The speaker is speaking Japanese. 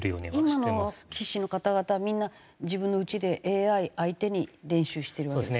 今の棋士の方々はみんな自分のうちでＡＩ相手に練習してるわけですか？